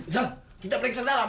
jang kita balik sedalam